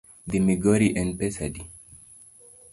Dhi migori en pesa adi?